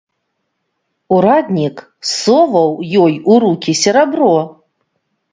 Ураднік соваў ёй у рукі серабро.